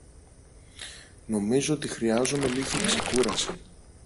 Νομίζω ότι χρειάζομαι λίγη ξεκούραση.